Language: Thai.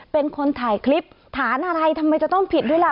เป็นคนถ่ายคลิปฐานอะไรทำไมจะต้องผิดด้วยล่ะ